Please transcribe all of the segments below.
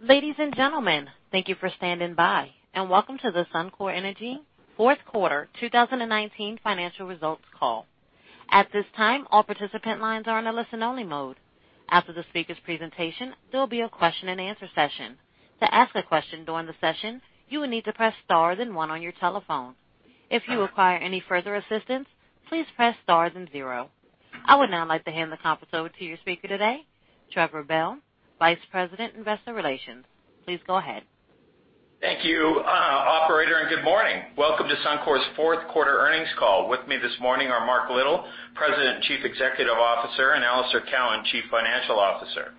Ladies and gentlemen, thank you for standing by and welcome to the Suncor Energy fourth quarter 2019 financial results call. At this time, all participant lines are in a listen-only mode. After the speaker's presentation, there will be a question and answer session. To ask a question during the session, you will need to press star then one on your telephone. If you require any further assistance, please press star then zero. I would now like to hand the conference over to your speaker today, Trevor Bell, Vice President, Investor Relations. Please go ahead. Thank you, operator, and good morning. Welcome to Suncor's fourth quarter earnings call. With me this morning are Mark Little, President, Chief Executive Officer, and Alister Cowan, Chief Financial Officer.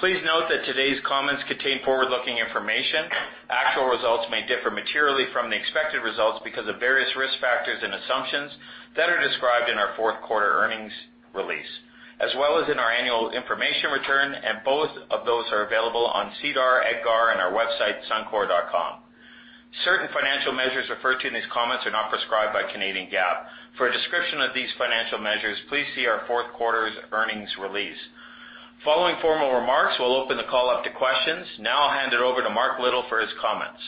Please note that today's comments could contain forward-looking information. Actual results may differ materially from the expected results because of various risk factors and assumptions that are described in our fourth quarter earnings release, as well as in our annual information return. Both of those are available on SEDAR, EDGAR, and our website, suncor.com. Certain financial measures referred to in these comments are not prescribed by Canadian GAAP. For a description of these financial measures, please see our fourth quarter's earnings release. Following formal remarks, we'll open the call up to questions. Now I'll hand it over to Mark Little for his comments.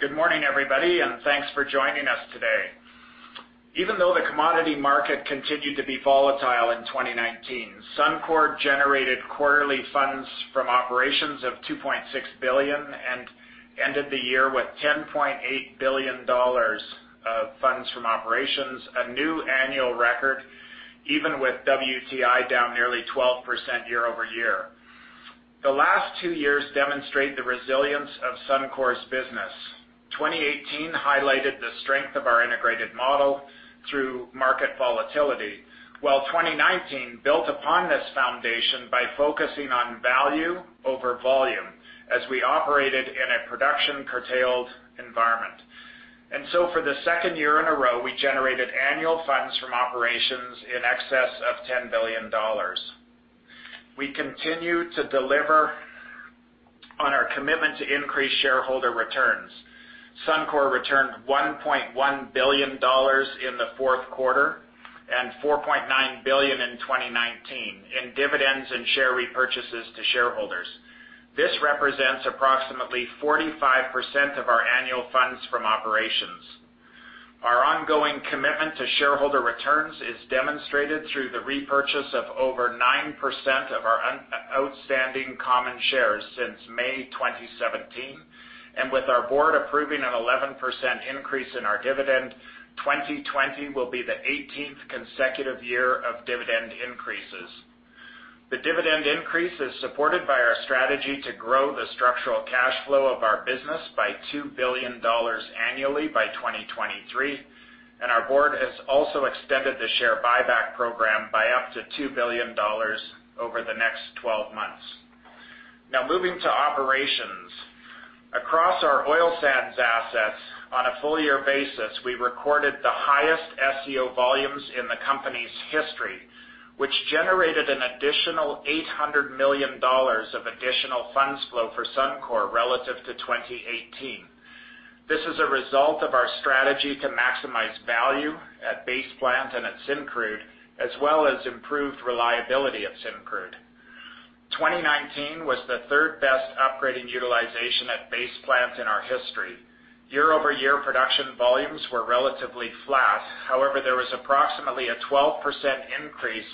Good morning, everybody, and thanks for joining us today. Even though the commodity market continued to be volatile in 2019, Suncor generated quarterly funds from operations of 2.6 billion and ended the year with 10.8 billion dollars of funds from operations, a new annual record, even with WTI down nearly 12% year-over-year. The last two years demonstrate the resilience of Suncor's business. 2018 highlighted the strength of our integrated model through market volatility, while 2019 built upon this foundation by focusing on value over volume as we operated in a production-curtailed environment. For the second year in a row, we generated annual funds from operations in excess of 10 billion dollars. We continue to deliver on our commitment to increase shareholder returns. Suncor returned 1.1 billion dollars in the fourth quarter and 4.9 billion in 2019 in dividends and share repurchases to shareholders. This represents approximately 45% of our annual funds from operations. With our board approving an 11% increase in our dividend, 2020 will be the 18th consecutive year of dividend increases. The dividend increase is supported by our strategy to grow the structural cash flow of our business by 2 billion dollars annually by 2023, and our board has also extended the share buyback program by up to 2 billion dollars over the next 12 months. Now, moving to operations. Across our oil sands assets on a full-year basis, we recorded the highest SCO volumes in the company's history, which generated an additional 800 million dollars of additional funds flow for Suncor relative to 2018. This is a result of our strategy to maximize value at Base Plant and at Syncrude, as well as improved reliability at Syncrude. 2019 was the third-best upgrading utilization at Base Plant in our history. Year-over-year production volumes were relatively flat. There was approximately a 12% increase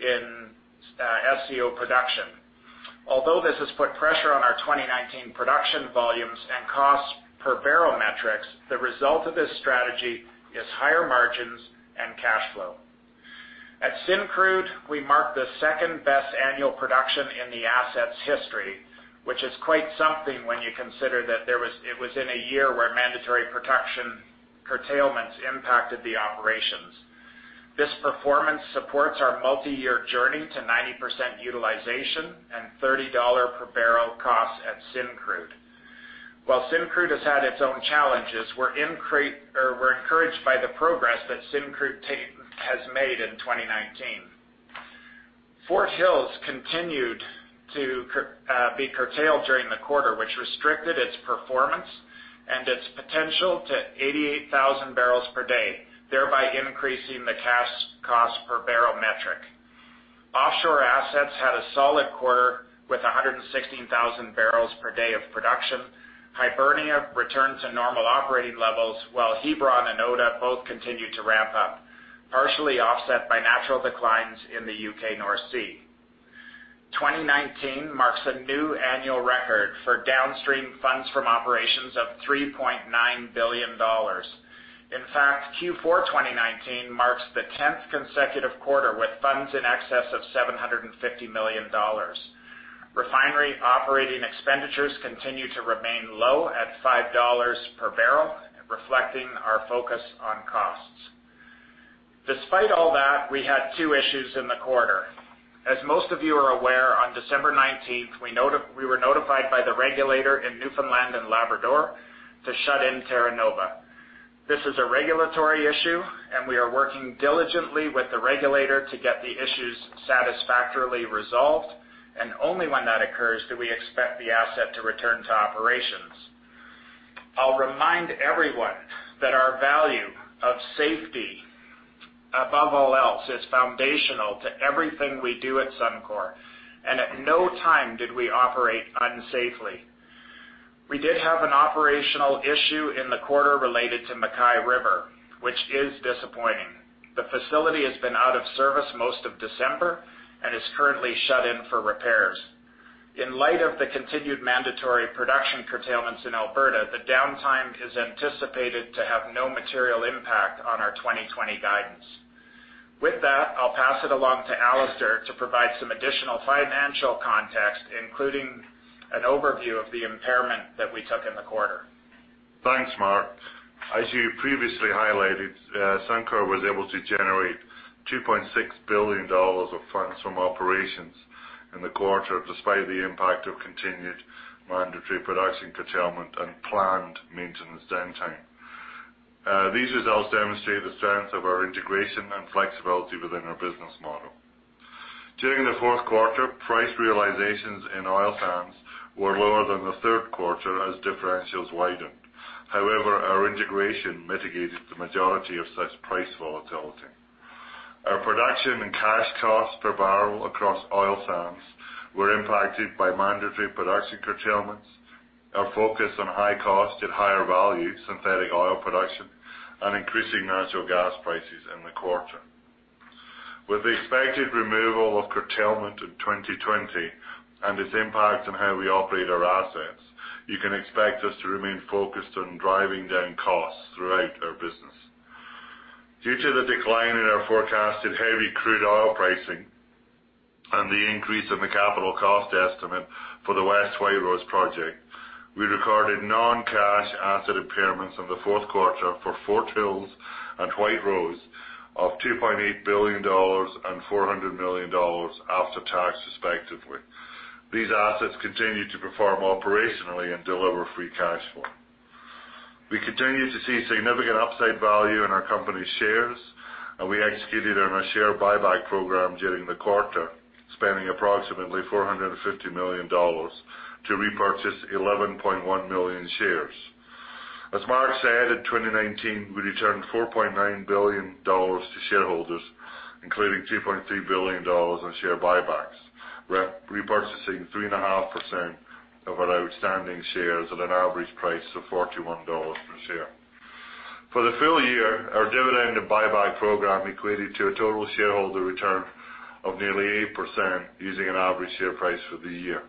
in SCO production. This has put pressure on our 2019 production volumes and cost per barrel metrics, the result of this strategy is higher margins and cash flow. At Syncrude, we marked the second-best annual production in the asset's history, which is quite something when you consider that it was in a year where mandatory production curtailments impacted the operations. This performance supports our multi-year journey to 90% utilization and 30 dollar per barrel cost at Syncrude. Syncrude has had its own challenges, we're encouraged by the progress that Syncrude has made in 2019. Fort Hills continued to be curtailed during the quarter, which restricted its performance and its potential to 88,000 bpd, thereby increasing the cash cost per barrel metric. Offshore assets had a solid quarter with 116,000 bpd of production. Hibernia returned to normal operating levels, while Hebron and Oda both continued to ramp up, partially offset by natural declines in the U.K. North Sea. 2019 marks a new annual record for downstream funds from operations of 3.9 billion dollars. In fact, Q4 2019 marks the 10th consecutive quarter with funds in excess of 750 million dollars. Refinery operating expenditures continue to remain low at 5 dollars per bbl, reflecting our focus on costs. Despite all that, we had two issues in the quarter. As most of you are aware, on December 19th, we were notified by the regulator in Newfoundland and Labrador to shut in Terra Nova. This is a regulatory issue, and we are working diligently with the regulator to get the issues satisfactorily resolved, and only when that occurs do we expect the asset to return to operations. I'll remind everyone that our value of safety above all else, it's foundational to everything we do at Suncor, and at no time did we operate unsafely. We did have an operational issue in the quarter related to MacKay River, which is disappointing. The facility has been out of service most of December and is currently shut in for repairs. In light of the continued mandatory production curtailments in Alberta, the downtime is anticipated to have no material impact on our 2020 guidance. With that, I'll pass it along to Alister to provide some additional financial context, including an overview of the impairment that we took in the quarter. Thanks, Mark. As you previously highlighted, Suncor was able to generate 2.6 billion dollars of funds from operations in the quarter, despite the impact of continued mandatory production curtailment and planned maintenance downtime. These results demonstrate the strength of our integration and flexibility within our business model. During the fourth quarter, price realizations in oil sands were lower than the third quarter as differentials widened. However, our integration mitigated the majority of such price volatility. Our production and cash costs per barrel across oil sands were impacted by mandatory production curtailments, our focus on high-cost, yet higher-value synthetic oil production, and increasing natural gas prices in the quarter. With the expected removal of curtailment in 2020 and its impact on how we operate our assets, you can expect us to remain focused on driving down costs throughout our business. Due to the decline in our forecasted heavy crude oil pricing and the increase in the capital cost estimate for the West White Rose project, we recorded non-cash asset impairments in the fourth quarter for Fort Hills and White Rose of 2.8 billion dollars and 400 million dollars after-tax, respectively. These assets continue to perform operationally and deliver free cash flow. We executed on our share buyback program during the quarter, spending approximately 450 million dollars to repurchase 11.1 million shares. As Mark said, in 2019, we returned 4.9 billion dollars to shareholders, including 2.3 billion dollars in share buybacks, repurchasing 3.5% of our outstanding shares at an average price of 41 dollars per share. For the full year, our dividend and buyback program equated to a total shareholder return of nearly 8% using an average share price for the year.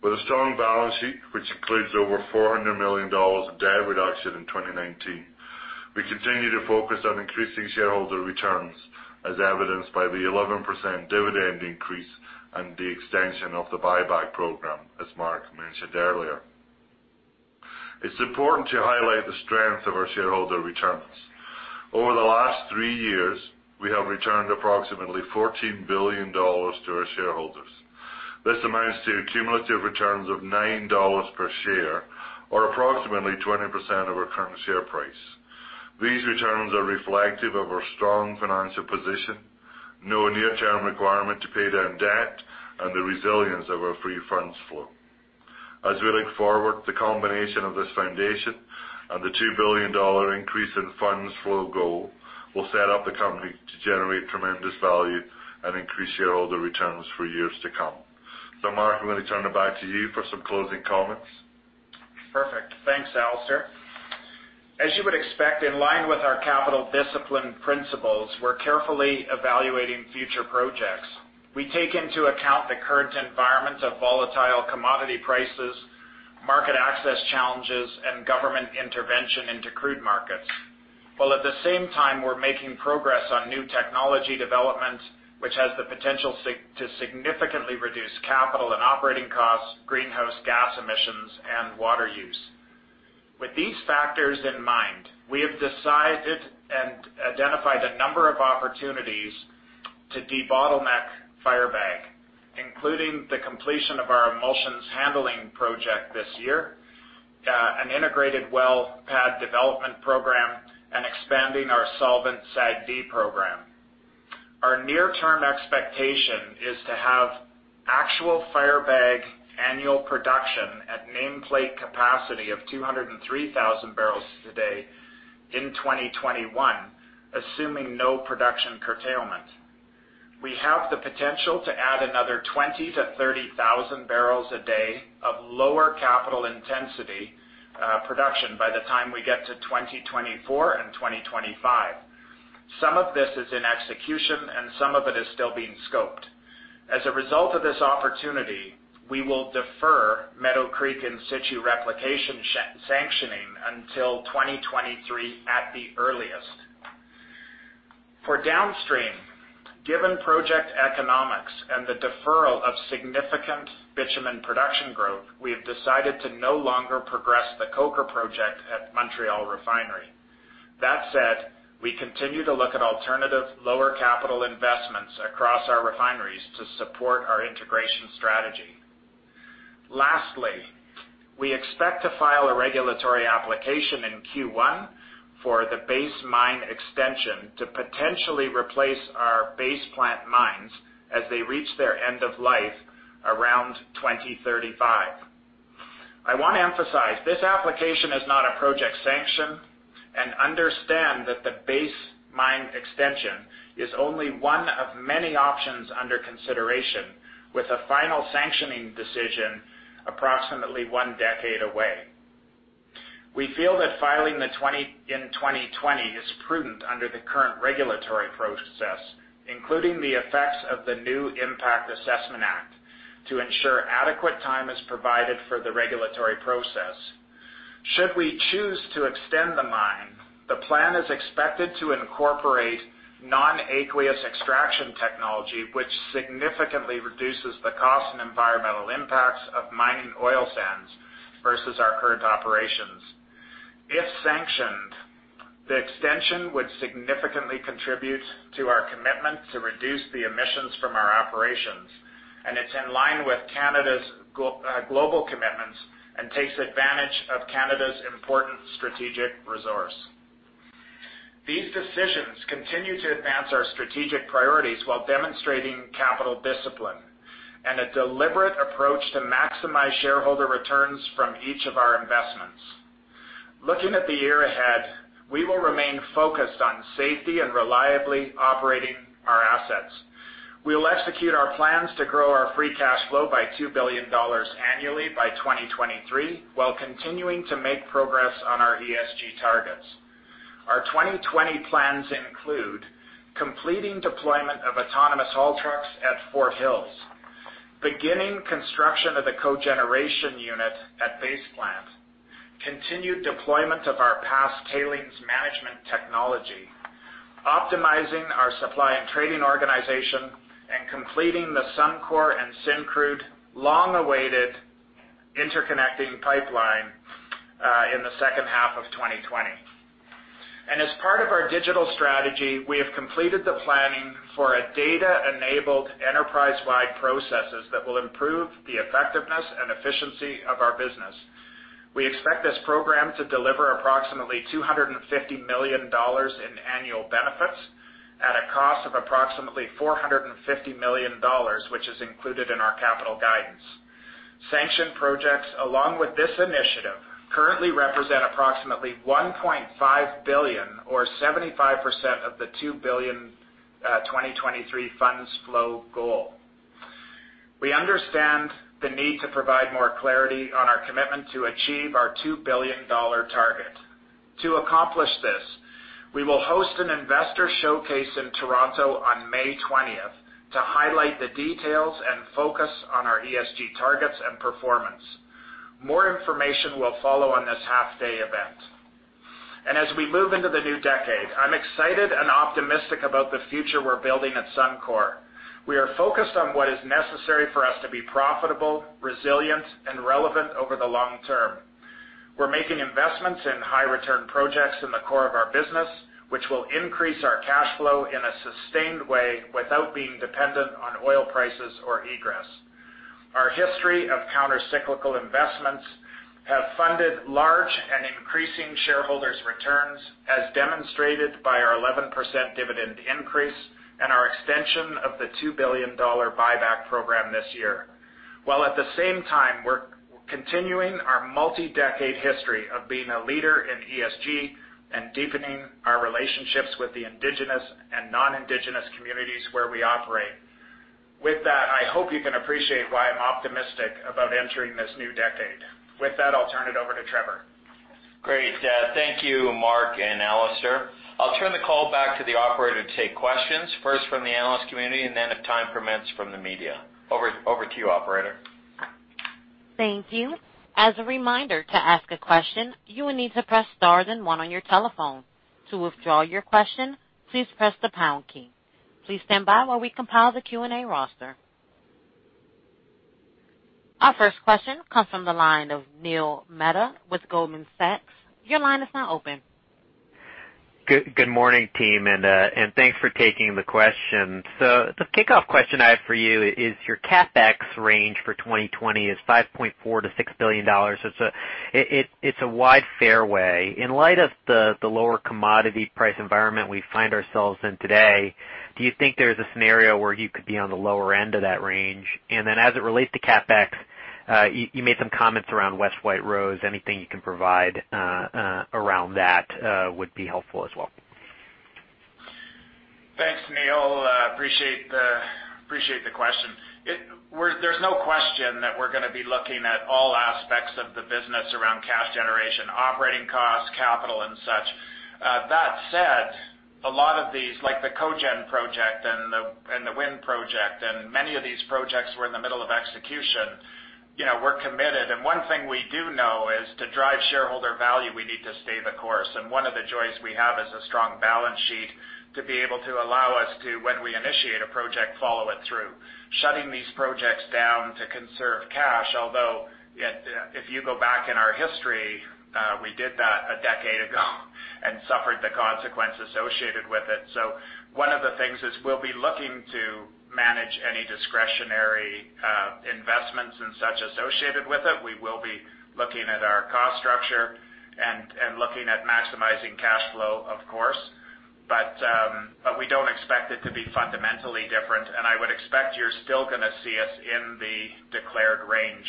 With a strong balance sheet, which includes over 400 million dollars of debt reduction in 2019, we continue to focus on increasing shareholder returns, as evidenced by the 11% dividend increase and the extension of the buyback program, as Mark mentioned earlier. It's important to highlight the strength of our shareholder returns. Over the last three years, we have returned approximately 14 billion dollars to our shareholders. This amounts to cumulative returns of 9 dollars per share or approximately 20% of our current share price. These returns are reflective of our strong financial position, no near-term requirement to pay down debt, and the resilience of our free funds flow. As we look forward, the combination of this foundation and the 2 billion dollar increase in funds flow goal will set up the company to generate tremendous value and increase shareholder returns for years to come. Mark, I'm going to turn it back to you for some closing comments. Perfect. Thanks, Alister. As you would expect, in line with our capital discipline principles, we're carefully evaluating future projects. We take into account the current environment of volatile commodity prices, market access challenges, and government intervention into crude markets. While at the same time, we're making progress on new technology developments, which has the potential to significantly reduce capital and operating costs, greenhouse gas emissions, and water use. With these factors in mind, we have decided and identified a number of opportunities to debottleneck Firebag, including the completion of our emulsions handling project this year, an integrated well pad development program, and expanding our solvent SAGD program. Our near-term expectation is to have actual Firebag annual production at nameplate capacity of 203,000 bbl/day in 2021, assuming no production curtailment. We have the potential to add another 20,000-30,000 bbl a day of lower capital intensity production by the time we get to 2024 and 2025. Some of this is in execution and some of it is still being scoped. As a result of this opportunity, we will defer Meadow Creek in-situ replication sanctioning until 2023 at the earliest. For downstream, given project economics and the deferral of significant bitumen production growth, we have decided to no longer progress the coker project at Montreal Refinery. That said, we continue to look at alternative lower capital investments across our refineries to support our integration strategy. Lastly, we expect to file a regulatory application in Q1 for the Base Mine extension to potentially replace our Base Plant mines as they reach their end of life around 2035. I want to emphasize, this application is not a project sanction and understand that the Base Mine extension is only one of many options under consideration with a final sanctioning decision approximately one decade away. We feel that filing in 2020 is prudent under the current regulatory process, including the effects of the new Impact Assessment Act, to ensure adequate time is provided for the regulatory process. Should we choose to extend the mine, the plan is expected to incorporate non-aqueous extraction technology, which significantly reduces the cost and environmental impacts of mining oil sands versus our current operations. If sanctioned, the extension would significantly contribute to our commitment to reduce the emissions from our operations, and it's in line with Canada's global commitments and takes advantage of Canada's important strategic resource. These decisions continue to advance our strategic priorities while demonstrating capital discipline and a deliberate approach to maximize shareholder returns from each of our investments. Looking at the year ahead, we will remain focused on safety and reliably operating our assets. We will execute our plans to grow our free cash flow by 2 billion dollars annually by 2023 while continuing to make progress on our ESG targets. Our 2020 plans include completing deployment of autonomous haul trucks at Fort Hills, beginning construction of the cogeneration unit at Base Plant, continued deployment of our past tailings management technology, optimizing our supply and trading organization, and completing the Suncor and Syncrude long-awaited interconnecting pipeline in the H2 of 2020. As part of our digital strategy, we have completed the planning for a data-enabled enterprise-wide processes that will improve the effectiveness and efficiency of our business. We expect this program to deliver approximately 250 million dollars in annual benefits at a cost of approximately 450 million dollars, which is included in our capital guidance. Sanctioned projects, along with this initiative, currently represent approximately 1.5 billion or 75% of the 2 billion 2023 funds flow goal. We understand the need to provide more clarity on our commitment to achieve our 2 billion dollar target. To accomplish this, we will host an investor showcase in Toronto on May 20th to highlight the details and focus on our ESG targets and performance. More information will follow on this half-day event. As we move into the new decade, I'm excited and optimistic about the future we're building at Suncor. We are focused on what is necessary for us to be profitable, resilient, and relevant over the long term. We're making investments in high-return projects in the core of our business, which will increase our cash flow in a sustained way without being dependent on oil prices or egress. Our history of counter-cyclical investments have funded large and increasing shareholders' returns, as demonstrated by our 11% dividend increase and our extension of the 2 billion dollar buyback program this year. While at the same time, we're continuing our multi-decade history of being a leader in ESG and deepening our relationships with the Indigenous and non-Indigenous communities where we operate. With that, I hope you can appreciate why I'm optimistic about entering this new decade. With that, I'll turn it over to Trevor. Great. Thank you, Mark and Alister. I'll turn the call back to the operator to take questions, first from the analyst community and then if time permits, from the media. Over to you, operator. Thank you. As a reminder, to ask a question, you will need to press star then one on your telephone. To withdraw your question, please press the pound key. Please stand by while we compile the Q&A roster. Our first question comes from the line of Neil Mehta with Goldman Sachs. Your line is now open. Good morning, team. Thanks for taking the question. The kickoff question I have for you is your CapEx range for 2020 is 5.4 billion-6 billion dollars. It's a wide fairway. In light of the lower commodity price environment we find ourselves in today, do you think there's a scenario where you could be on the lower end of that range? As it relates to CapEx, you made some comments around West White Rose. Anything you can provide around that would be helpful as well. Thanks, Neil. Appreciate the question. There's no question that we're going to be looking at all aspects of the business around cash generation, operating costs, capital, and such. That said, a lot of these, like the cogen project and the wind project and many of these projects we're in the middle of execution, we're committed. One thing we do know is to drive shareholder value, we need to stay the course. One of the joys we have is a strong balance sheet to be able to allow us to, when we initiate a project, follow it through. Shutting these projects down to conserve cash, although if you go back in our history, we did that a decade ago and suffered the consequences associated with it. One of the things is we'll be looking to manage any discretionary investments and such associated with it. We will be looking at our cost structure and looking at maximizing cash flow, of course. We don't expect it to be fundamentally different. I would expect you're still going to see us in the declared range.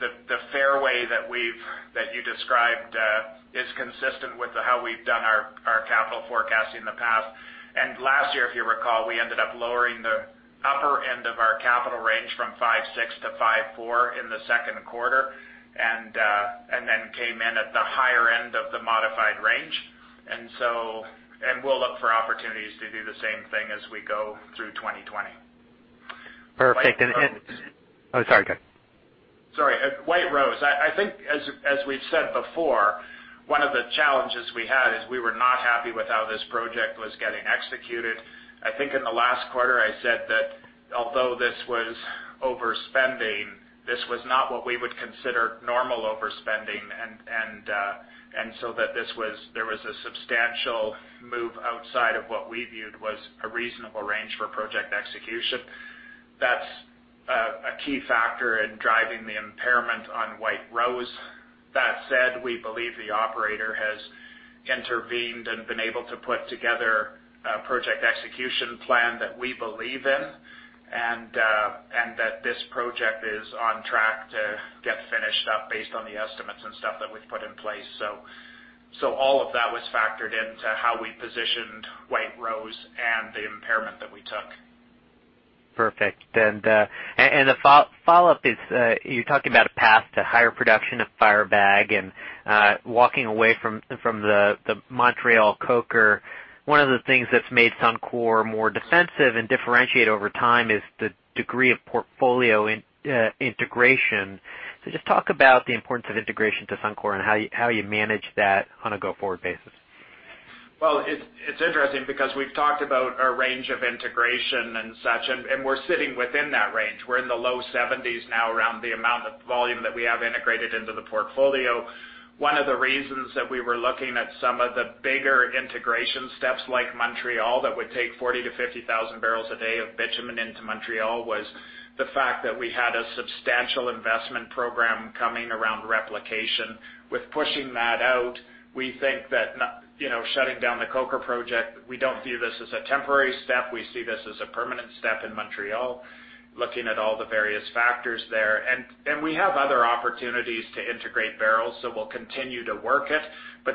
The fairway that you described is consistent with how we've done our capital forecast in the past. Last year, if you recall, we ended up lowering the upper end of our capital range from five six to five four in the second quarter, and then came in at the higher end of the modified range. We'll look for opportunities to do the same thing as we go through 2020. Perfect. Oh, sorry, go ahead. Sorry. White Rose. I think, as we've said before, one of the challenges we had is we were not happy with how this project was getting executed. I think in the last quarter, I said that although this was overspending, this was not what we would consider normal overspending, and so there was a substantial move outside of what we viewed was a reasonable range for project execution. That's a key factor in driving the impairment on White Rose. That said, we believe the operator has intervened and been able to put together a project execution plan that we believe in, and that this project is on track to get finished up based on the estimates and stuff that we've put in place. All of that was factored into how we positioned White Rose and the impairment that we took. The follow-up is, you're talking about a path to higher production of Firebag and walking away from the Montreal coker. One of the things that's made Suncor more defensive and differentiate over time is the degree of portfolio integration. So just talk about the importance of integration to Suncor and how you manage that on a go-forward basis. Well, it's interesting because we've talked about our range of integration and such, and we're sitting within that range. We're in the low 70s now around the amount of volume that we have integrated into the portfolio. One of the reasons that we were looking at some of the bigger integration steps, like Montreal, that would take 40,000-50,000 bbl a day of bitumen into Montreal was the fact that we had a substantial investment program coming around replication. With pushing that out, we think that shutting down the coker project, we don't view this as a temporary step. We see this as a permanent step in Montreal, looking at all the various factors there. We have other opportunities to integrate barrels, so we'll continue to work it.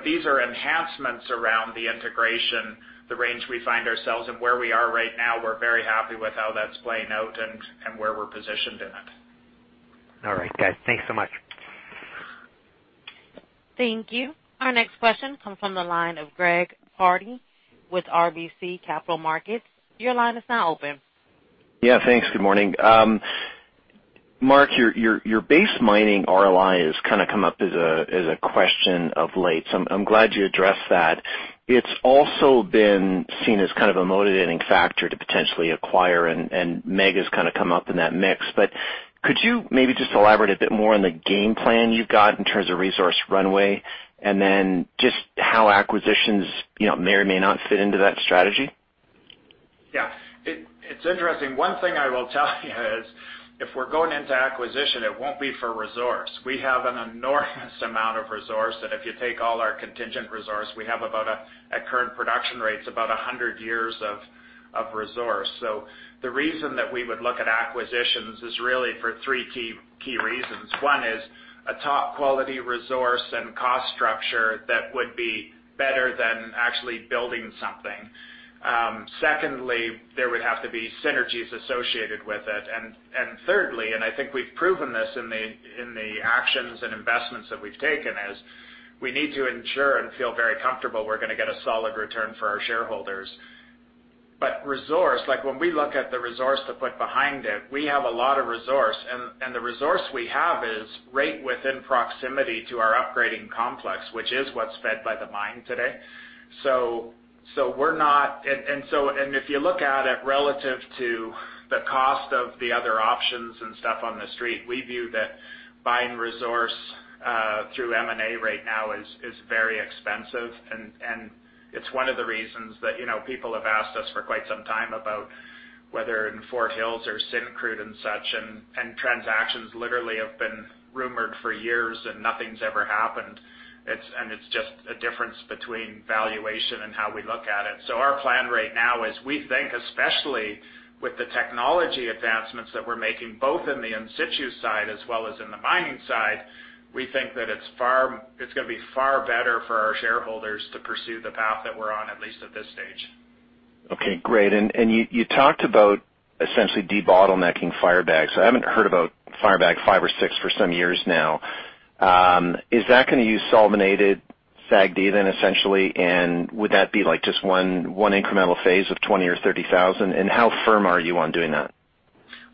These are enhancements around the integration, the range we find ourselves in, where we are right now. We're very happy with how that's playing out and where we're positioned in it. All right, guys. Thanks so much. Thank you. Our next question comes from the line of Greg Pardy with RBC Capital Markets. Your line is now open. Yeah, thanks. Good morning. Mark, your Base Mine RLI has kind of come up as a question of late, so I'm glad you addressed that. It's also been seen as kind of a motivating factor to potentially acquire, and MEG has kind of come up in that mix. Could you maybe just elaborate a bit more on the game plan you've got in terms of resource runway, and then just how acquisitions may or may not fit into that strategy? Yeah. It's interesting. One thing I will tell you is if we're going into acquisition, it won't be for resource. We have an enormous amount of resource that if you take all our contingent resource, we have, at current production rates, about 100 years of resource. The reason that we would look at acquisitions is really for three key reasons. One is a top-quality resource and cost structure that would be better than actually building something. Secondly, there would have to be synergies associated with it. Thirdly, and I think we've proven this in the actions and investments that we've taken, is we need to ensure and feel very comfortable we're going to get a solid return for our shareholders. Resource, like when we look at the resource to put behind it, we have a lot of resource, and the resource we have is right within proximity to our upgrading complex, which is what's fed by the mine today. If you look at it relative to the cost of the other options and stuff on the street, we view that buying resource through M&A right now is very expensive, and it's one of the reasons that people have asked us for quite some time about whether in Fort Hills or Syncrude and such, and transactions literally have been rumored for years, and nothing's ever happened. It's just a difference between valuation and how we look at it. Our plan right now is, we think especially with the technology advancements that we're making, both in the in-situ side as well as in the mining side, we think that it's going to be far better for our shareholders to pursue the path that we're on, at least at this stage. Okay, great. You talked about essentially debottlenecking Firebag. I haven't heard about Firebag 5 or 6 for some years now. Is that going to use solvent-aided SAGD then essentially, and would that be just one incremental phase of 20,000 or 30,000? How firm are you on doing that?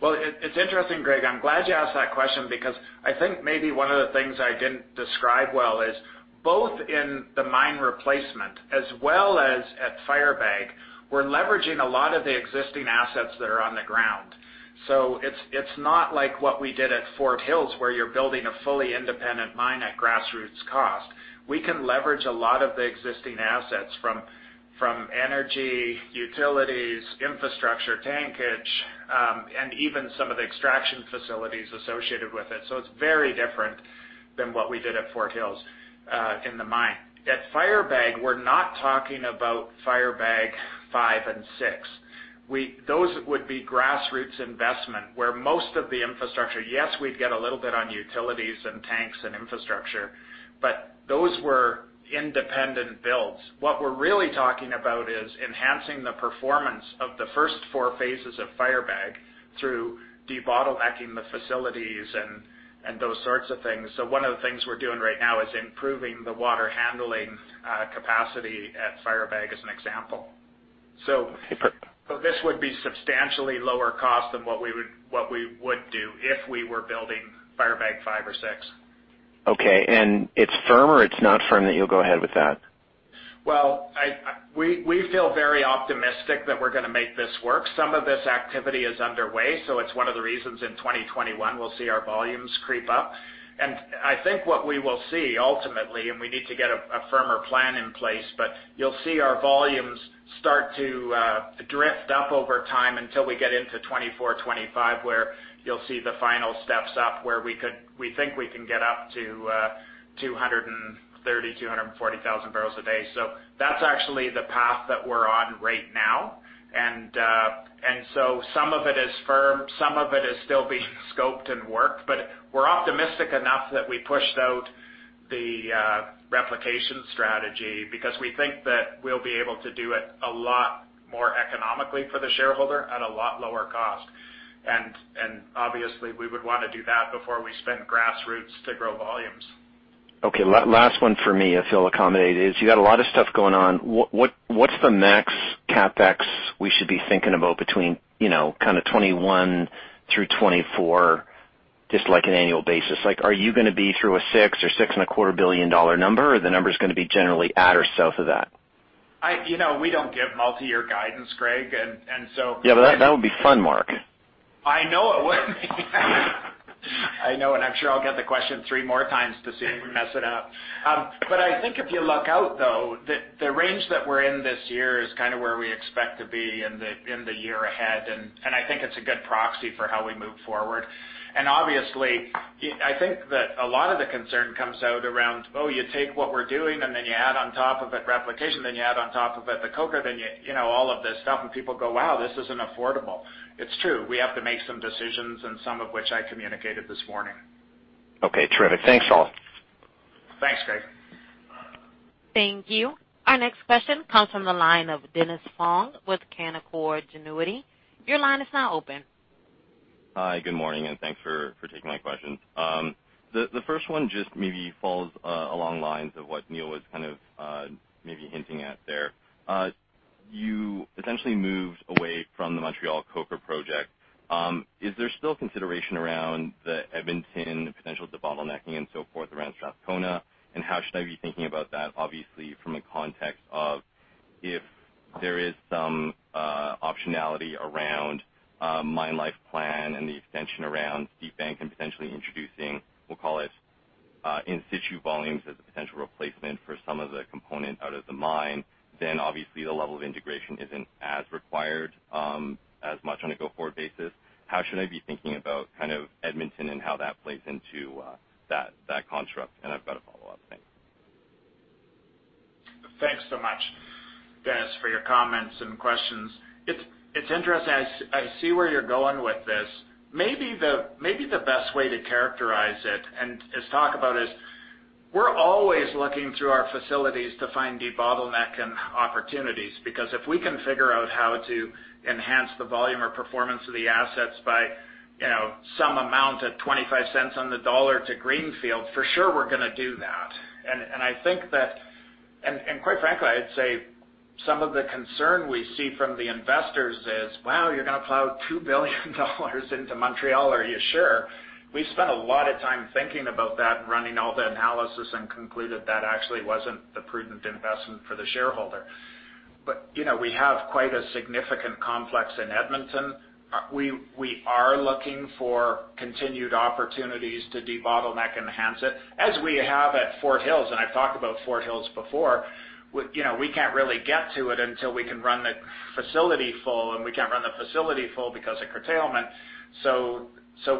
Well, it's interesting, Greg. I'm glad you asked that question because I think maybe one of the things I didn't describe well is both in the mine replacement as well as at Firebag, we're leveraging a lot of the existing assets that are on the ground. It's not like what we did at Fort Hills, where you're building a fully independent mine at grassroots cost. We can leverage a lot of the existing assets from energy utilities, infrastructure, tankage, and even some of the extraction facilities associated with it. It's very different than what we did at Fort Hills in the mine. At Firebag, we're not talking about Firebag 5 and 6. Those would be grassroots investment where most of the infrastructure. Yes, we'd get a little bit on utilities and tanks and infrastructure, but those were independent builds. What we're really talking about is enhancing the performance of the first four phases of Firebag through debottlenecking the facilities and those sorts of things. One of the things we're doing right now is improving the water handling capacity at Firebag, as an example. This would be substantially lower cost than what we would do if we were building Firebag 5 or 6. Okay. It's firm or it's not firm that you'll go ahead with that? Well, we feel very optimistic that we're going to make this work. Some of this activity is underway. It's one of the reasons in 2021 we'll see our volumes creep up. I think what we will see ultimately, and we need to get a firmer plan in place, but you'll see our volumes start to drift up over time until we get into 2024, 2025, where you'll see the final steps up where we think we can get up to 230,000-240,000 bbl a day. That's actually the path that we're on right now. Some of it is firm, some of it is still being scoped and worked, but we're optimistic enough that we pushed out the replication strategy because we think that we'll be able to do it a lot more economically for the shareholder at a lot lower cost. Obviously we would want to do that before we spend grassroots to grow volumes. Okay. Last one for me, if you'll accommodate. Is you got a lot of stuff going on. What's the max CapEx we should be thinking about between kind of 2021-2024, just like an annual basis? Are you going to be through a 6 billion dollar or CAD 6.25 billion number, or the number's going to be generally at or south of that? We don't give multi-year guidance, Greg. Yeah, that would be fun, Mark. I know it would be. I know, and I'm sure I'll get the question three more times to see if we mess it up. I think if you look out though, the range that we're in this year is kind of where we expect to be in the year ahead, and I think it's a good proxy for how we move forward. Obviously, I think that a lot of the concern comes out around, oh, you take what we're doing and then you add on top of it replication, then you add on top of it the coker, then all of this stuff, and people go, "Wow, this isn't affordable." It's true. We have to make some decisions, and some of which I communicated this morning. Okay, terrific. Thanks all. Thanks, Greg. Thank you. Our next question comes from the line of Dennis Fong with Canaccord Genuity. Your line is now open. Hi, good morning, and thanks for taking my questions. The first one just maybe falls along lines of what Neil was kind of maybe hinting at there. You essentially moved away from the Montreal Coker Project. Is there still consideration around the Edmonton potential debottlenecking and so forth around Strathcona? How should I be thinking about that, obviously, from a context of if there is some optionality around mine life plan and the extension around Base Mine and potentially introducing, we'll call it, in situ volumes as a potential replacement for some of the component out of the mine, then obviously the level of integration isn't as required as much on a go-forward basis. How should I be thinking about kind of Edmonton and how that plays into that construct? I've got a follow-up. Thanks. Thanks so much, Dennis, for your comments and questions. It's interesting. I see where you're going with this. Maybe the best way to characterize it and just talk about is we're always looking through our facilities to find debottleneck and opportunities. Because if we can figure out how to enhance the volume or performance of the assets by some amount at 0.25 on the dollar to greenfield, for sure we're going to do that. Quite frankly, I'd say some of the concern we see from the investors is, "Wow, you're going to plow 2 billion dollars into Montreal. Are you sure?" We've spent a lot of time thinking about that and running all the analysis and concluded that actually wasn't the prudent investment for the shareholder. We have quite a significant complex in Edmonton. We are looking for continued opportunities to debottleneck, enhance it, as we have at Fort Hills, and I've talked about Fort Hills before. We can't really get to it until we can run the facility full, and we can't run the facility full because of curtailment.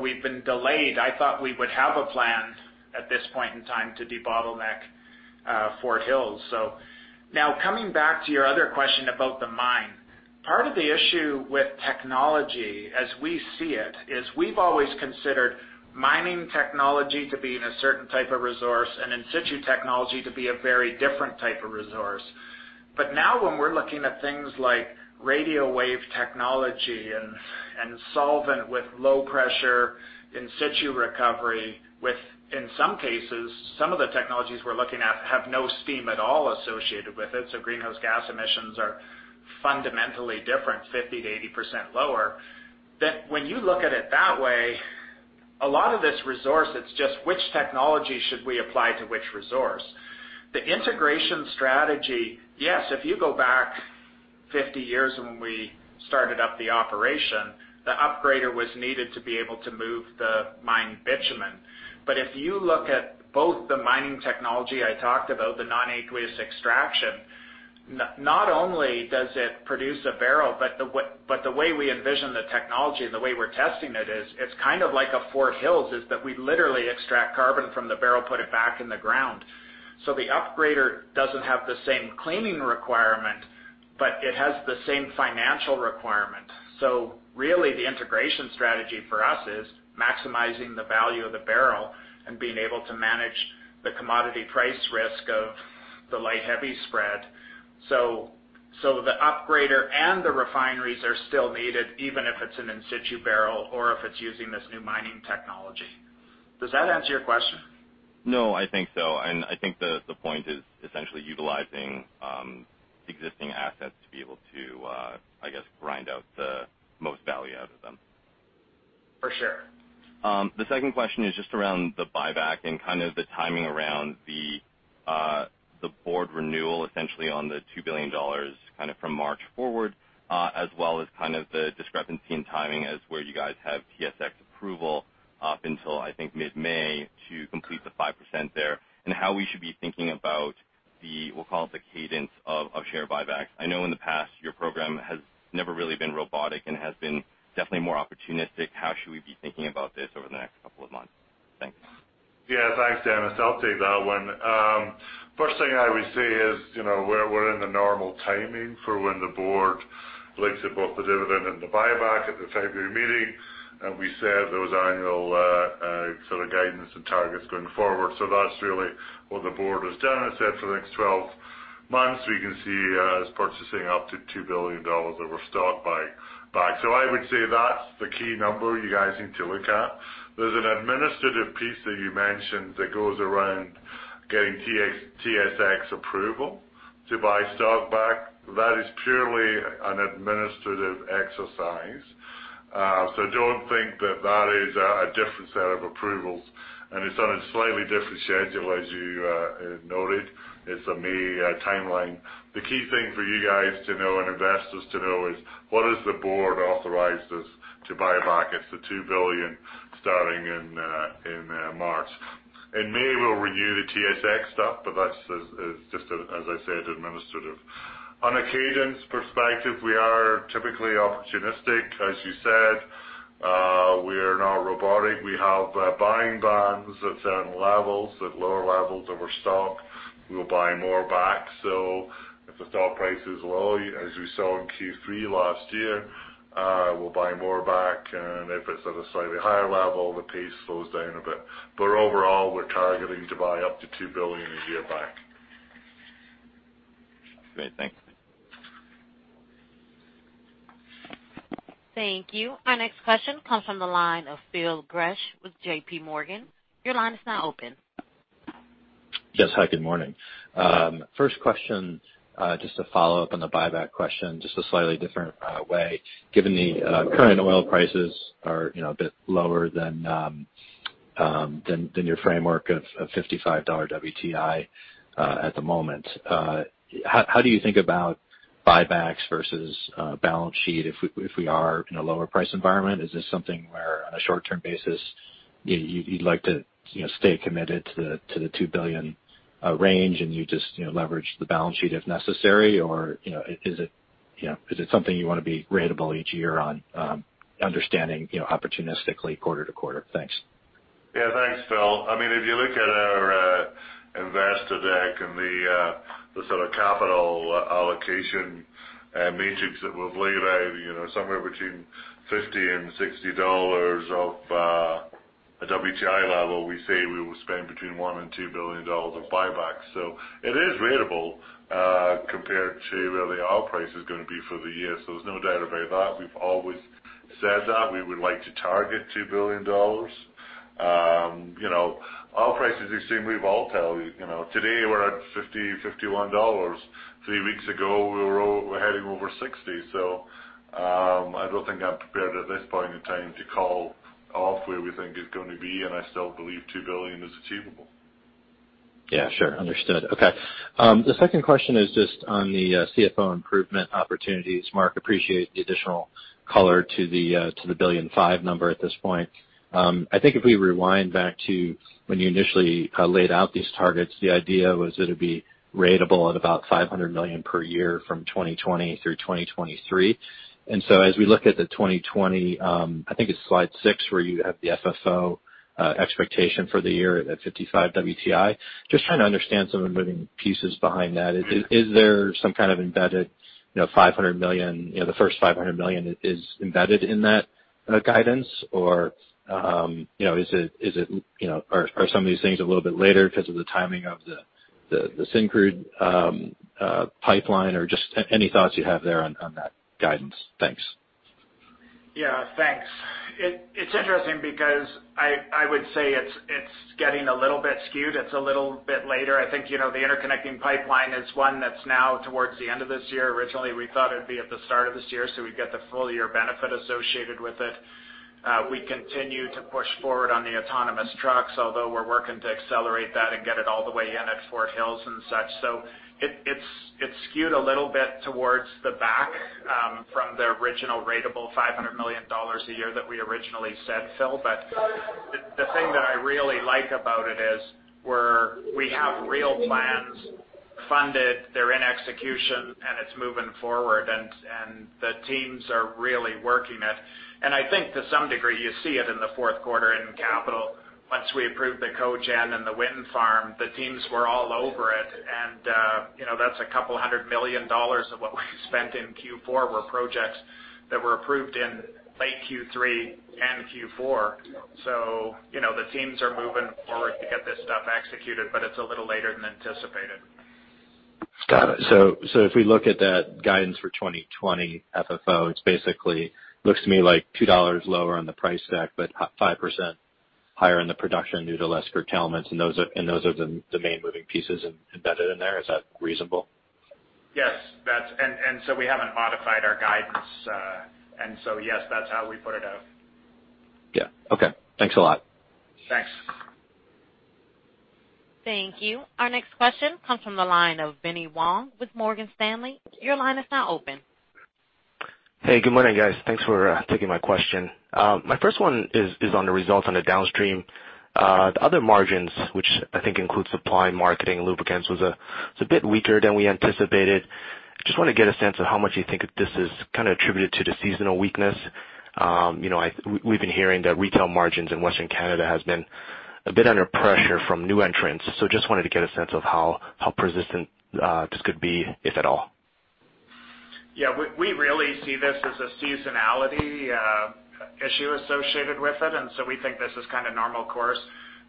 We've been delayed. I thought we would have a plan at this point in time to debottleneck Fort Hills. Now coming back to your other question about the mine. Part of the issue with technology, as we see it, is we've always considered mining technology to be in a certain type of resource and in-situ technology to be a very different type of resource. Now when we're looking at things like radio wave technology and solvent with low pressure in-situ recovery with, in some cases, some of the technologies we're looking at have no steam at all associated with it. Greenhouse gas emissions are fundamentally different, 50%-80% lower. When you look at it that way, a lot of this resource, it's just which technology should we apply to which resource? The integration strategy, yes, if you go back 50 years when we started up the operation, the upgrader was needed to be able to move the mine bitumen. If you look at both the mining technology I talked about, the non-aqueous extraction, not only does it produce a barrel, but the way we envision the technology and the way we're testing it is it's kind of like a Fort Hills, is that we literally extract carbon from the barrel, put it back in the ground. The upgrader doesn't have the same cleaning requirement, but it has the same financial requirement. Really the integration strategy for us is maximizing the value of the barrel and being able to manage the commodity price risk of the light heavy spread. The upgrader and the refineries are still needed, even if it's an in-situ barrel or if it's using this new mining technology. Does that answer your question? No, I think so. I think the point is essentially utilizing existing assets to be able to grind out the most value out of them. For sure. The second question is just around the buyback and kind of the timing around the board renewal, essentially on the 2 billion dollars from March forward, as well as kind of the discrepancy in timing as where you guys have TMX approval up until I think mid-May to complete the 5% there. How we should be thinking about the, we'll call it the cadence of share buybacks. I know in the past, your program has never really been robotic and has been definitely more opportunistic. How should we be thinking about this over the next couple of months? Thanks. Thanks, Dennis. I'll take that one. First thing I would say is we're in the normal timing for when the board looks at both the dividend and the buyback at the February meeting. We set those annual sort of guidance and targets going forward. That's really what the board has done. It said for the next 12 months, we can see us purchasing up to 2 billion dollars of our stock buyback. I would say that's the key number you guys need to look at. There's an administrative piece that you mentioned that goes around getting TSX approval to buy stock back. That is purely an administrative exercise. Don't think that is a different set of approvals, and it's on a slightly different schedule, as you noted. It's a May timeline. The key thing for you guys to know and investors to know is what has the board authorized us to buy back? It's the 2 billion starting in March. In May, we'll review the TSX stuff, that's just as I said, administrative. On a cadence perspective, we are typically opportunistic, as you said. We're not robotic. We have buying bands at certain levels, at lower levels of our stock. We'll buy more back. If the stock price is low, as we saw in Q3 last year, we'll buy more back. If it's at a slightly higher level, the pace slows down a bit. Overall, we're targeting to buy up to 2 billion a year back. Great. Thanks. Thank you. Our next question comes from the line of Phil Gresh with JPMorgan. Your line is now open. Yes. Hi, good morning. First question, just to follow up on the buyback question, just a slightly different way. Given the current oil prices are a bit lower than your framework of $55 WTI at the moment, how do you think about buybacks versus balance sheet if we are in a lower price environment? Is this something where on a short-term basis, you'd like to stay committed to the 2 billion range and you just leverage the balance sheet if necessary? Is it something you want to be ratable each year on understanding opportunistically quarter-to-quarter? Thanks. Yeah. Thanks, Phil. If you look at our investor deck and the sort of capital allocation matrix that we've laid out, somewhere between 50 and 60 dollars of a WTI level, we say we will spend between 1 billion and 2 billion dollars of buybacks. It is ratable compared to where the oil price is going to be for the year. There's no doubt about that. We've always said that we would like to target 2 billion dollars. Oil prices are extremely volatile. Today we're at 50 dollars, CAD 51. Three weeks ago, we were heading over 60. I don't think I'm prepared at this point in time to call off where we think it's going to be, and I still believe 2 billion is achievable. Yeah, sure. Understood. Okay. The second question is just on the CFO improvement opportunities. Mark, appreciate the additional color to the 1.5 billion number at this point. I think if we rewind back to when you initially laid out these targets, the idea was that it'd be ratable at about 500 million per year from 2020 through 2023. As we look at the 2020, I think it's slide six where you have the FFO expectation for the year at 55 WTI. I'm just trying to understand some of the moving pieces behind that. Is there some kind of embedded 500 million, the first 500 million is embedded in that guidance? Are some of these things a little bit later because of the timing of the Syncrude pipeline, or just any thoughts you have there on that guidance? Thanks. Yeah. Thanks. It's interesting because I would say it's getting a little bit skewed. It's a little bit later. I think the interconnecting pipeline is one that's now towards the end of this year. Originally, we thought it'd be at the start of this year, so we'd get the full year benefit associated with it. We continue to push forward on the autonomous haul trucks, although we're working to accelerate that and get it all the way in at Fort Hills and such. It's skewed a little bit towards the back from the original ratable 500 million dollars a year that we originally said, Phil. The thing that I really like about it is we have real plans funded. They're in execution, and it's moving forward and the teams are really working it. I think to some degree, you see it in the fourth quarter in capital. Once we approved the cogen and the wind farm, the teams were all over it. That's a couple hundred million CAD of what we spent in Q4 were projects that were approved in late Q3 and Q4. The teams are moving forward to get this stuff executed, but it's a little later than anticipated. Got it. If we look at that guidance for 2020 FFO, it basically looks to me like 2 dollars lower on the price stack, but 5% higher in the production due to less curtailments, and those are the main moving pieces embedded in there. Is that reasonable? Yes. We haven't modified our guidance. Yes, that's how we put it out. Yeah. Okay. Thanks a lot. Thanks. Thank you. Our next question comes from the line of Benny Wong with Morgan Stanley. Your line is now open. Hey, good morning, guys. Thanks for taking my question. My first one is on the results on the downstream. The other margins, which I think includes supply and marketing lubricants, was a bit weaker than we anticipated. Just want to get a sense of how much you think this is kind of attributed to the seasonal weakness. We've been hearing that retail margins in Western Canada has been a bit under pressure from new entrants, so just wanted to get a sense of how persistent this could be, if at all. Yeah. We really see this as a seasonality issue associated with it. We think this is kind of normal course.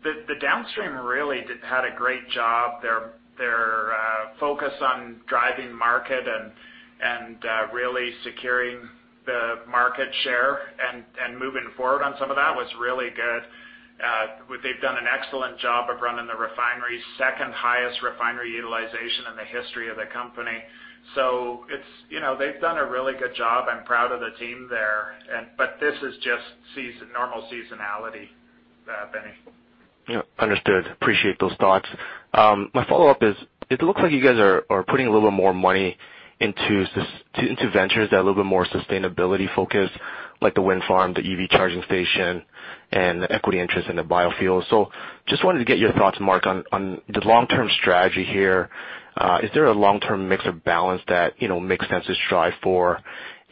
The downstream really had a great job. Their focus on driving market and really securing the market share and moving forward on some of that was really good. They've done an excellent job of running the refinery, second-highest refinery utilization in the history of the company. They've done a really good job. I'm proud of the team there. This is just normal seasonality, Benny. Yep, understood. Appreciate those thoughts. My follow-up is, it looks like you guys are putting a little more money into ventures that are a little bit more sustainability focused, like the wind farm, the EV charging station, and the equity interest in the biofuels. Just wanted to get your thoughts, Mark, on the long-term strategy here. Is there a long-term mix or balance that makes sense to strive for?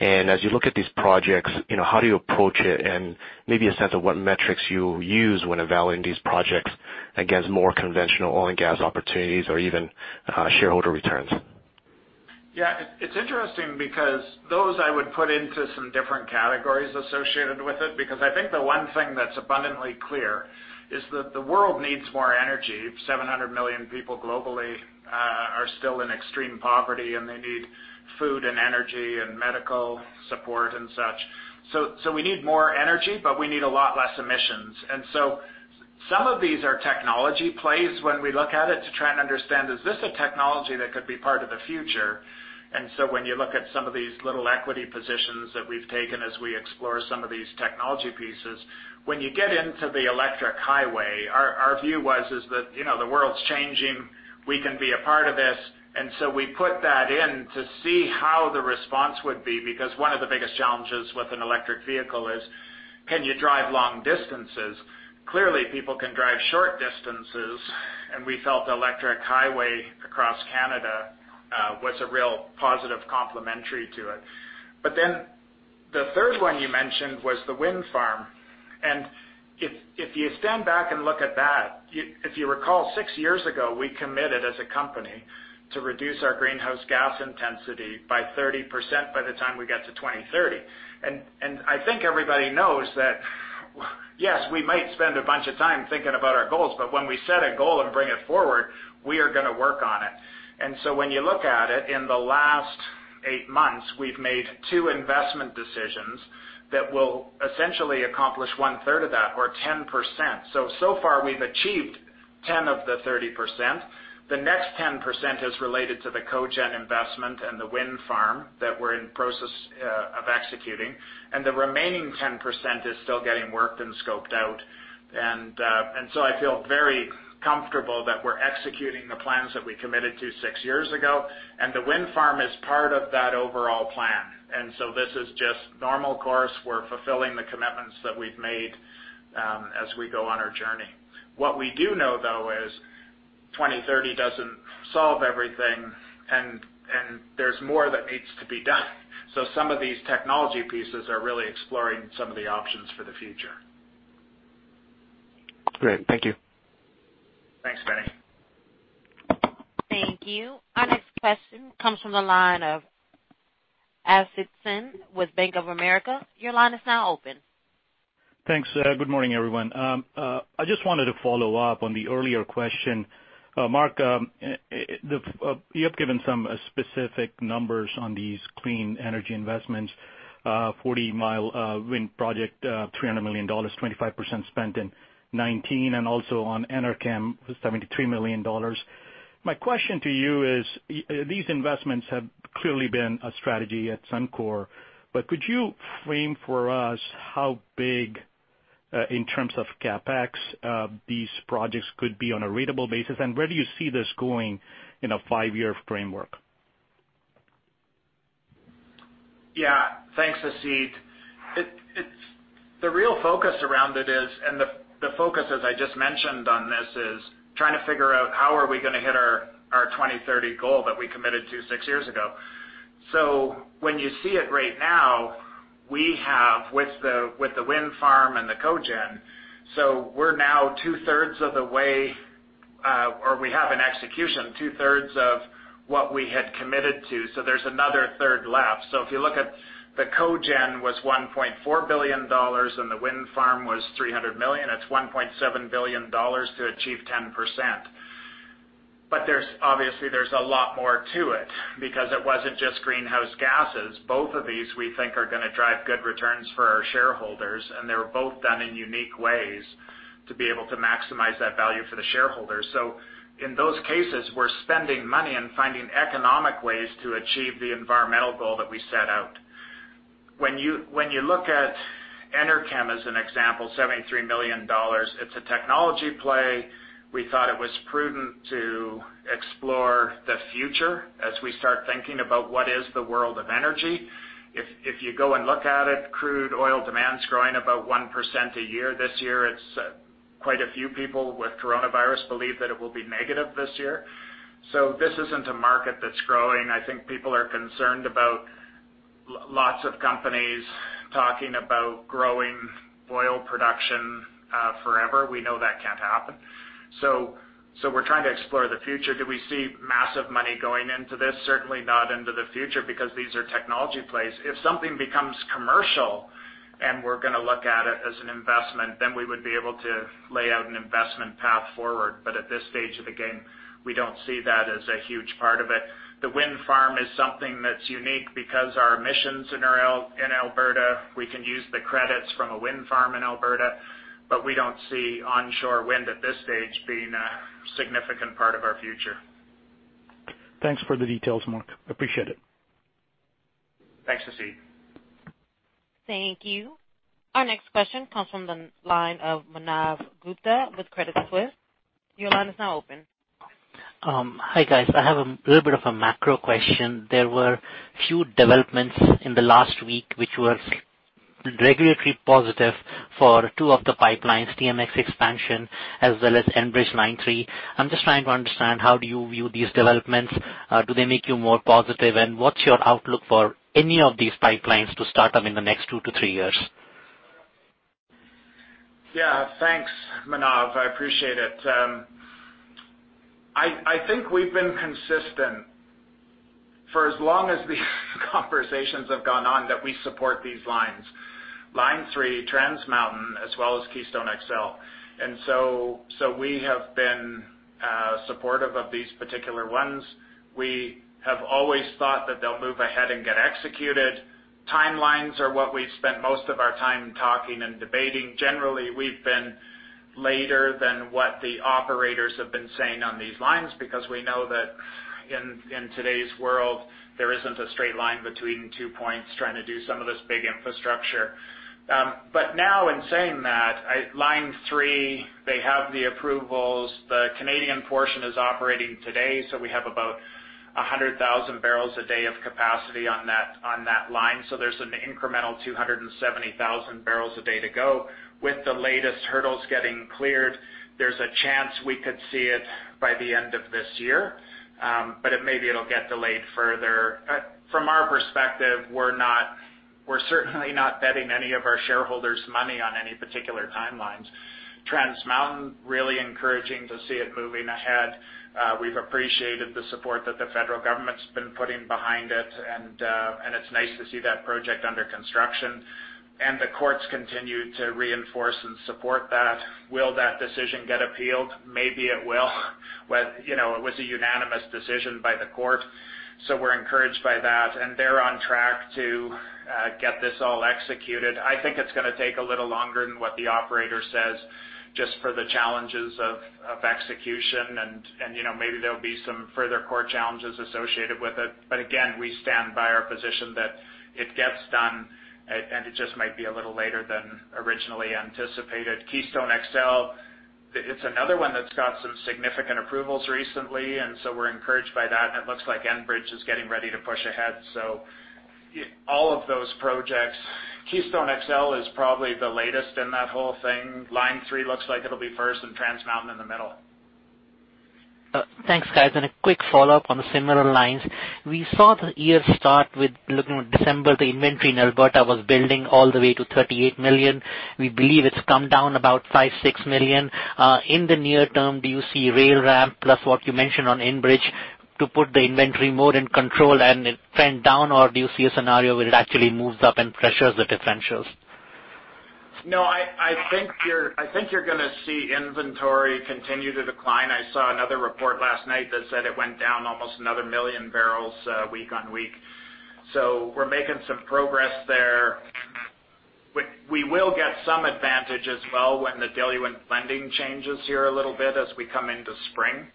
As you look at these projects, how do you approach it? Maybe a sense of what metrics you use when evaluating these projects against more conventional oil and gas opportunities or even shareholder returns. Yeah, it's interesting because those I would put into some different categories associated with it, because I think the one thing that's abundantly clear is that the world needs more energy. 700 million people globally are still in extreme poverty, and they need food and energy and medical support and such. We need more energy, but we need a lot less emissions. Some of these are technology plays when we look at it to try and understand, is this a technology that could be part of the future? When you look at some of these little equity positions that we've taken as we explore some of these technology pieces, when you get into the electric highway, our view was is that, the world's changing. We can be a part of this. We put that in to see how the response would be, because one of the biggest challenges with an electric vehicle is, can you drive long distances? Clearly, people can drive short distances, and we felt the electric highway across Canada was a real positive complementary to it. The third one you mentioned was the wind farm. If you stand back and look at that, if you recall, six years ago, we committed as a company to reduce our greenhouse gas intensity by 30% by the time we get to 2030. I think everybody knows that, yes, we might spend a bunch of time thinking about our goals, but when we set a goal and bring it forward, we are going to work on it. When you look at it, in the last eight months, we've made two investment decisions that will essentially accomplish 1/3 of that or 10%. So far we've achieved 10 of the 30%. The next 10% is related to the cogen investment and the wind farm that we're in process of executing, and the remaining 10% is still getting worked and scoped out. I feel very comfortable that we're executing the plans that we committed to six years ago, and the wind farm is part of that overall plan. This is just normal course. We're fulfilling the commitments that we've made as we go on our journey. What we do know, though, is 2030 doesn't solve everything, and there's more that needs to be done. So some of these technology pieces are really exploring some of the options for the future. Great. Thank you. Thanks, Benny. Thank you. Our next question comes from the line of Asad Syed with Bank of America. Your line is now open. Thanks. Good morning, everyone. I just wanted to follow up on the earlier question. Mark, you have given some specific numbers on these clean energy investments, 40-mile wind project, CAD 300 million, 25% spent in 2019, and also on Enerkem, CAD 73 million. My question to you is, these investments have clearly been a strategy at Suncor, but could you frame for us how big, in terms of CapEx, these projects could be on a ratable basis, and where do you see this going in a five-year framework? Yeah. Thanks, Asad Syed. The real focus around it is, and the focus as I just mentioned on this is trying to figure out how are we going to hit our 2030 goal that we committed to six years ago. When you see it right now, we have with the wind farm and the cogen, so we're now 2/3 of the way, or we have in execution, 2/3 of what we had committed to, so there's another third left. If you look at the cogen was 1.4 billion dollars and the wind farm was 300 million, it's 1.7 billion dollars to achieve 10%. Obviously there's a lot more to it because it wasn't just greenhouse gases. Both of these we think are going to drive good returns for our shareholders, and they were both done in unique ways to be able to maximize that value for the shareholders. In those cases, we're spending money and finding economic ways to achieve the environmental goal that we set out. When you look at Enerkem as an example, 73 million dollars, it's a technology play. We thought it was prudent to explore the future as we start thinking about what is the world of energy. If you go and look at it, crude oil demand's growing about 1% a year. This year, it's quite a few people with coronavirus believe that it will be negative this year. This isn't a market that's growing. I think people are concerned about lots of companies talking about growing oil production forever. We know that can't happen. We're trying to explore the future. Do we see massive money going into this? Certainly not into the future because these are technology plays. If something becomes commercial and we're going to look at it as an investment, then we would be able to lay out an investment path forward. At this stage of the game, we don't see that as a huge part of it. The wind farm is something that's unique because our emissions in Alberta, we can use the credits from a wind farm in Alberta, but we don't see onshore wind at this stage being a significant part of our future. Thanks for the details, Mark. Appreciate it. Thanks, Asad. Thank you. Our next question comes from the line of Manav Gupta with Credit Suisse. Your line is now open. Hi, guys. I have a little bit of a macro question. There were a few developments in the last week which were regulatory positive for two of the pipelines, TMX expansion as well as Enbridge Line 3. I'm just trying to understand how do you view these developments? What's your outlook for any of these pipelines to start up in the next two to three years? Yeah. Thanks, Manav. I appreciate it. I think we've been consistent for as long as these conversations have gone on that we support these lines. Line 3, Trans Mountain, as well as Keystone XL. We have been supportive of these particular ones. We have always thought that they'll move ahead and get executed. Timelines are what we've spent most of our time talking and debating. Generally, we've been later than what the operators have been saying on these lines because we know that in today's world, there isn't a straight line between two points trying to do some of this big infrastructure. Now in saying that, Line 3, they have the approvals. The Canadian portion is operating today, so we have about 100,000 bbl a day of capacity on that line. There's an incremental 270,000 bbl a day to go. With the latest hurdles getting cleared, there's a chance we could see it by the end of this year. Maybe it'll get delayed further. From our perspective, we're certainly not betting any of our shareholders' money on any particular timelines. Trans Mountain, really encouraging to see it moving ahead. We've appreciated the support that the federal government's been putting behind it, and it's nice to see that project under construction. The courts continue to reinforce and support that. Will that decision get appealed? Maybe it will. It was a unanimous decision by the court, so we're encouraged by that. They're on track to get this all executed. I think it's going to take a little longer than what the operator says, just for the challenges of execution and maybe there'll be some further court challenges associated with it. Again, we stand by our position that it gets done, and it just might be a little later than originally anticipated. Keystone XL, it's another one that's got some significant approvals recently. We're encouraged by that, and it looks like Enbridge is getting ready to push ahead. All of those projects, Keystone XL is probably the latest in that whole thing. Line 3 looks like it'll be first and Trans Mountain in the middle. Thanks, guys. A quick follow-up on similar lines. We saw the year start with looking at December, the inventory in Alberta was building all the way to 38 million. We believe it's come down about 5 million, 6 million. In the near term, do you see rail ramp plus what you mentioned on Enbridge to put the inventory more in control and it trend down, or do you see a scenario where it actually moves up and pressures the differentials? No, I think you're going to see inventory continue to decline. I saw another report last night that said it went down almost another million barrels week on week. We're making some progress there. We will get some advantage as well when the diluent blending changes here a little bit as we come into spring.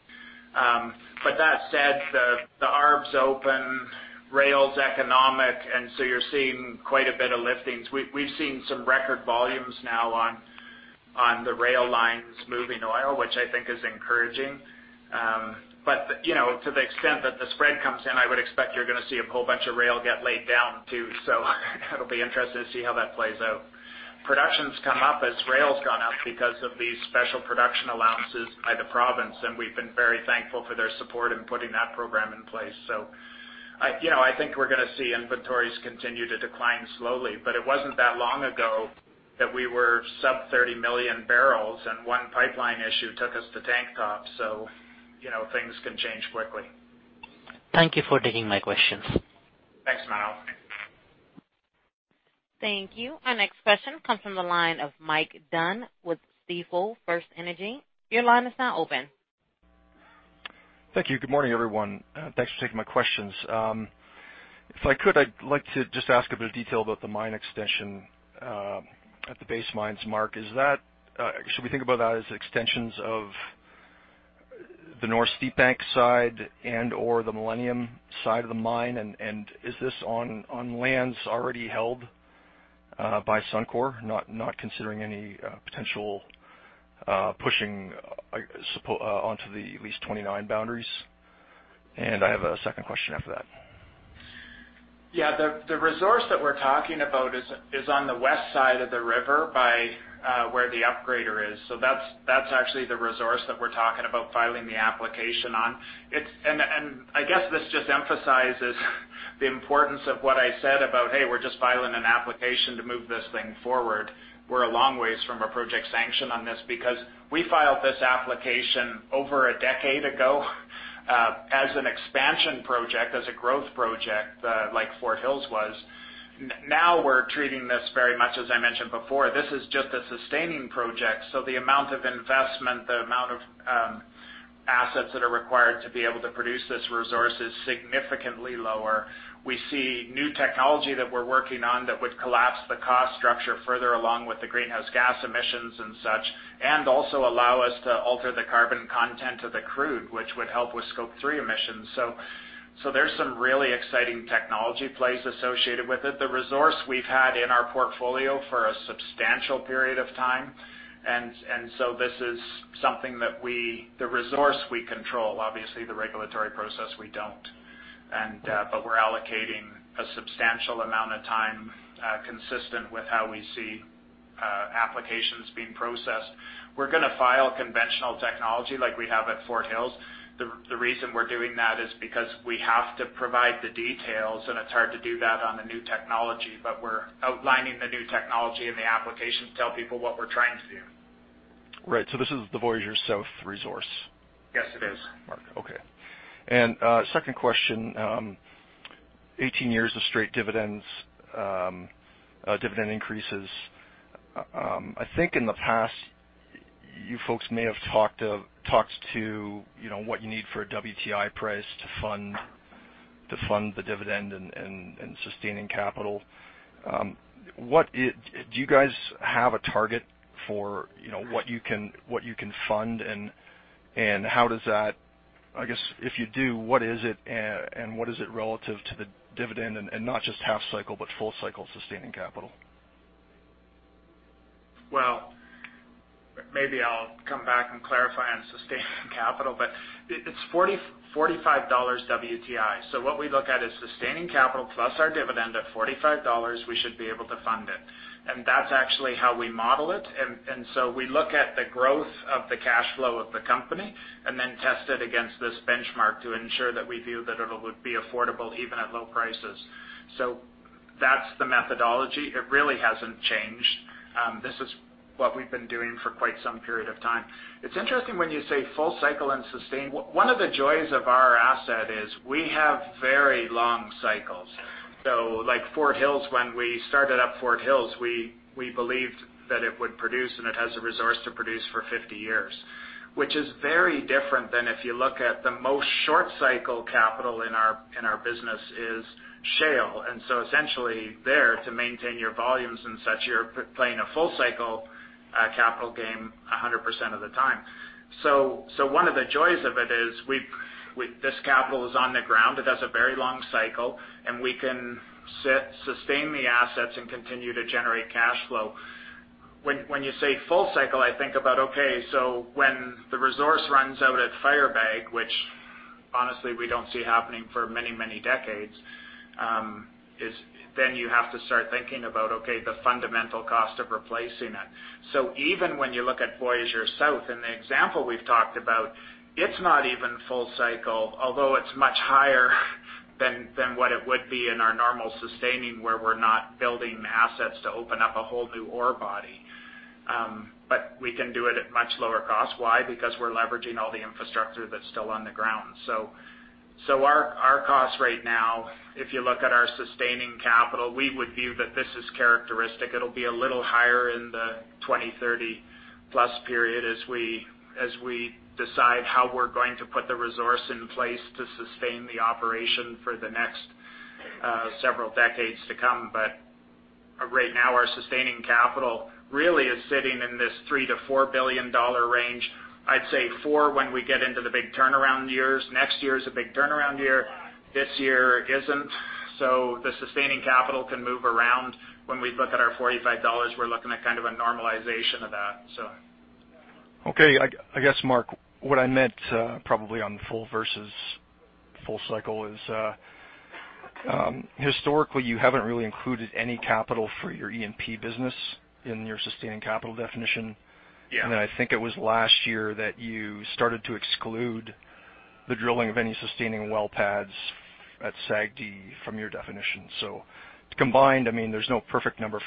That said, the ARB's open, rail's economic, and so you're seeing quite a bit of liftings. We've seen some record volumes now on the rail lines moving oil, which I think is encouraging. To the extent that the spread comes in, I would expect you're going to see a whole bunch of rail get laid down, too. It'll be interesting to see how that plays out. Production's come up as rail's gone up because of these special production allowances by the province, and we've been very thankful for their support in putting that program in place. I think we're going to see inventories continue to decline slowly. It wasn't that long ago that we were sub 30 million bbl, and one pipeline issue took us to tank top, so things can change quickly. Thank you for taking my questions. Thanks, Manav. Thank you. Our next question comes from the line of Mike Dunn with Stifel First Energy. Your line is now open. Thank you. Good morning, everyone. Thanks for taking my questions. If I could, I'd like to just ask a bit of detail about the mine extension at the Base Mine, Mark. Should we think about that as extensions of the North Steepbank side and/or the Millennium side of the mine? Is this on lands already held by Suncor? Not considering any potential pushing onto the lease 29 boundaries. I have a second question after that. Yeah. The resource that we're talking about is on the west side of the river by where the upgrader is. That's actually the resource that we're talking about filing the application on. I guess this just emphasizes the importance of what I said about, "Hey, we're just filing an application to move this thing forward." We're a long ways from a project sanction on this, because we filed this application over a decade ago as an expansion project, as a growth project like Fort Hills was. Now we're treating this very much as I mentioned before. This is just a sustaining project, so the amount of investment, the amount of assets that are required to be able to produce this resource is significantly lower. We see new technology that we're working on that would collapse the cost structure further along with the greenhouse gas emissions and such, and also allow us to alter the carbon content of the crude, which would help with Scope 3 emissions. There's some really exciting technology plays associated with it. The resource we've had in our portfolio for a substantial period of time. The resource we control, obviously the regulatory process we don't. We're allocating a substantial amount of time, consistent with how we see applications being processed. We're going to file conventional technology like we have at Fort Hills. The reason we're doing that is because we have to provide the details, and it's hard to do that on the new technology. We're outlining the new technology in the application to tell people what we're trying to do. Right. This is the Voyager South resource? Yes, it is. Mark. Okay. Second question. 18 years of straight dividends, dividend increases. I think in the past, you folks may have talked to what you need for a WTI price to fund the dividend and sustaining capital. Do you guys have a target for what you can fund, I guess if you do, what is it, and what is it relative to the dividend and not just half cycle, but full cycle sustaining capital? Well, maybe I'll come back and clarify on sustaining capital, it's 45 dollars WTI. What we look at is sustaining capital plus our dividend at 45 dollars, we should be able to fund it. That's actually how we model it. We look at the growth of the cash flow of the company and then test it against this benchmark to ensure that we view that it would be affordable even at low prices. That's the methodology. It really hasn't changed. This is what we've been doing for quite some period of time. It's interesting when you say full cycle and sustain. One of the joys of our asset is we have very long cycles. Like Fort Hills, when we started up Fort Hills, we believed that it would produce, and it has a resource to produce for 50 years, which is very different than if you look at the most short cycle capital in our business is shale. Essentially there, to maintain your volumes and such, you're playing a full cycle capital game 100% of the time. One of the joys of it is this capital is on the ground. It has a very long cycle, and we can sustain the assets and continue to generate cash flow. When you say full cycle, I think about, okay, so when the resource runs out at Firebag, which honestly we don't see happening for many, many decades, you have to start thinking about, okay, the fundamental cost of replacing it. Even when you look at Voyager South and the example we've talked about, it's not even full cycle, although it's much higher than what it would be in our normal sustaining, where we're not building assets to open up a whole new ore body. We can do it at much lower cost. Why? Because we're leveraging all the infrastructure that's still on the ground. Our cost right now, if you look at our sustaining capital, we would view that this is characteristic. It'll be a little higher in 2030+ period as we decide how we're going to put the resource in place to sustain the operation for the next several decades to come. Right now, our sustaining capital really is sitting in this 3 billion-4 billion dollar range. I'd say 4 billion when we get into the big turnaround years. Next year is a big turnaround year. This year isn't. The sustaining capital can move around. When we look at our 45 dollars, we're looking at kind of a normalization of that. Okay. I guess, Mark, what I meant probably on full versus full cycle is historically you haven't really included any capital for your E&P business in your sustaining capital definition. Yeah. I think it was last year that you started to exclude the drilling of any sustaining well pads at SAGD from your definition. Combined, there's no perfect number,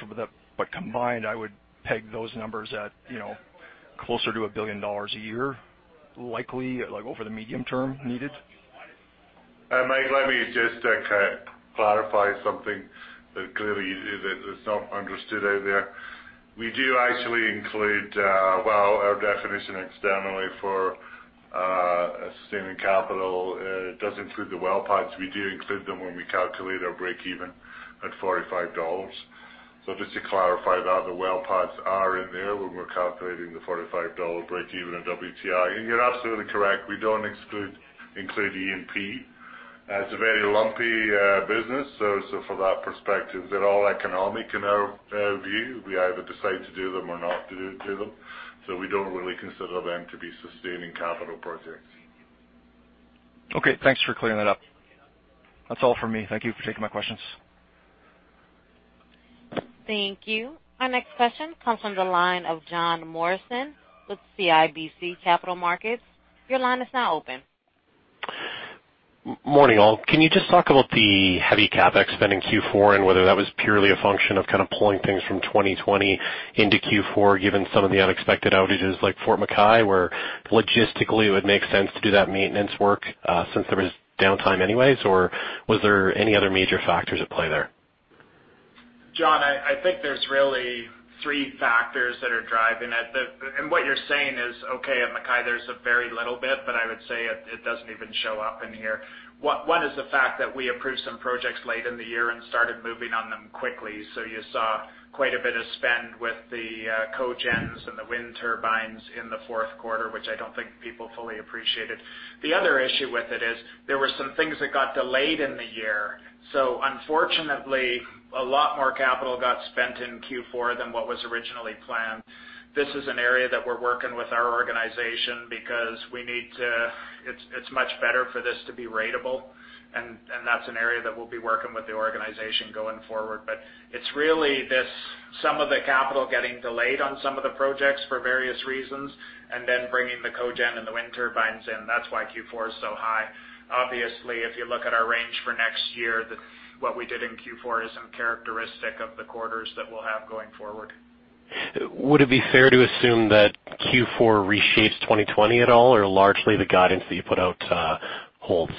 I would peg those numbers at closer to 1 billion dollars a year, likely, over the medium term needed. Mike, let me just clarify something that clearly is not understood out there. We do actually, well, our definition externally for sustaining capital, it doesn't include the well pads. We do include them when we calculate our breakeven at 45 dollars. Just to clarify that, the well pads are in there when we're calculating the 45 dollar breakeven in WTI. You're absolutely correct, we don't include E&P. It's a very lumpy business. From that perspective, they're all economic in our view. We either decide to do them or not to do them. We don't really consider them to be sustaining capital projects. Okay, thanks for clearing that up. That's all from me. Thank you for taking my questions. Thank you. Our next question comes from the line of Jon Morrison with CIBC Capital Markets. Your line is now open. Morning, all. Can you just talk about the heavy CapEx spend in Q4, whether that was purely a function of kind of pulling things from 2020 into Q4, given some of the unexpected outages like MacKay River, where logistically it would make sense to do that maintenance work since there was downtime anyways? Was there any other major factors at play there? Jon, I think there's really three factors that are driving it. What you're saying is okay at MacKay, there's a very little bit, but I would say it doesn't even show up in here. One is the fact that we approved some projects late in the year and started moving on them quickly. You saw quite a bit of spend with the cogens and the wind turbines in the fourth quarter, which I don't think people fully appreciated. The other issue with it is there were some things that got delayed in the year, unfortunately, a lot more capital got spent in Q4 than what was originally planned. This is an area that we're working with our organization because it's much better for this to be ratable, and that's an area that we'll be working with the organization going forward. It's really this sum of the capital getting delayed on some of the projects for various reasons, and then bringing the cogen and the wind turbines in. That's why Q4 is so high. Obviously, if you look at our range for next year, what we did in Q4 isn't characteristic of the quarters that we'll have going forward. Would it be fair to assume that Q4 reshapes 2020 at all, or largely the guidance that you put out holds?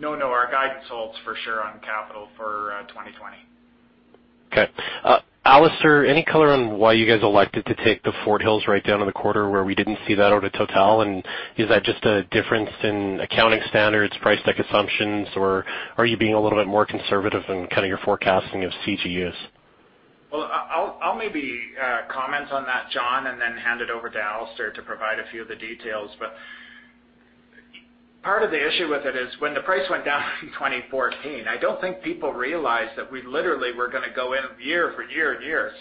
No, no, our guidance holds for sure on capital for 2020. Okay. Alister, any color on why you guys elected to take the Fort Hills write-down in the quarter where we didn't see that out at Total? Is that just a difference in accounting standards, price deck assumptions, or are you being a little bit more conservative in kind of your forecasting of CGUs? Well, I'll maybe comment on that, Jon, and then hand it over to Alister to provide a few of the details. Part of the issue with it is when the price went down in 2014, I don't think people realized that we literally were going to go in year for year and year.